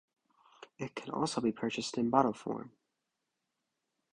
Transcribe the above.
It can also be purchased in bottle form.